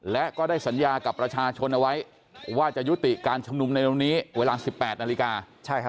และก็ได้สัญญากับประชาชนเอาไว้ว่าจะยุติการชุมนุมในตรงนี้เวลา๑๘นาฬิกา